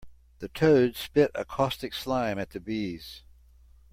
The toad spit a caustic slime at the bees.